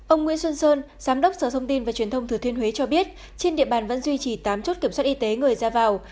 ông nguyễn xuân sơn giám đốc sở thông tin và truyền thông thừa thuyên huế cho biết trên địa bàn vẫn duy trì tám chốt kiểm soát y tế người ra vào